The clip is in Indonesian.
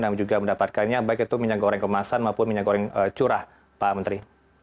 dan juga mendapatkannya baik itu minyak goreng kemasan maupun minyak goreng curah pak menteri